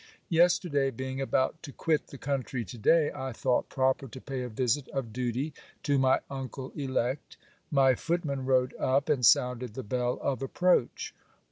Yesterday (being about to quit the country to day) I thought proper to pay a visit of duty to my uncle elect. My footman rode up, and sounded the bell of approach.